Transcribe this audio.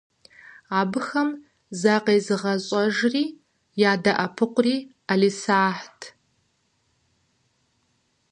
Абыхэм закъезыгъэщӏэжри ядэӏэпыкъури ӏэлисахьт.